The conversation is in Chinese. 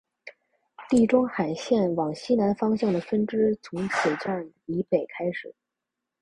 地中海线往西南方向的分支从此站以北开始。